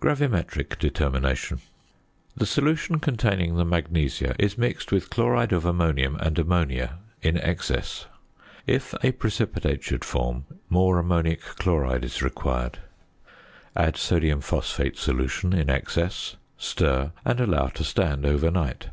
GRAVIMETRIC DETERMINATION. The solution containing the magnesia is mixed with chloride of ammonium and ammonia in excess. If a precipitate should form, more ammonic chloride is required. Add sodium phosphate solution in excess, stir and allow to stand overnight.